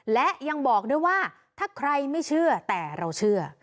และยังบอกด้วยว่าถ้าใครไม่เชื่อแต่เราเชื่อ